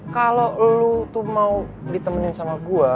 kalau lo tuh mau ditemenin sama gue